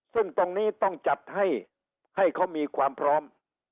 ซึ่งตรงนี้ต้องจัดให้เขามีความพร้อม